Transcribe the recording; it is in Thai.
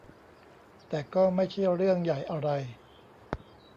แต่ก็ไม่ใช่เรื่องใหญ่อะไร